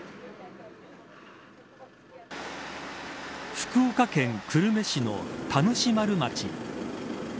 福岡県久留米市の田主丸町。